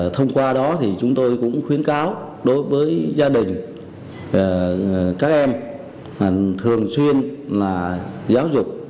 thông qua đó thì chúng tôi cũng khuyến cáo đối với gia đình các em thường xuyên là giáo dục